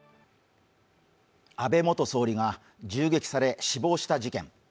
安倍元総理が銃撃され死亡した事件。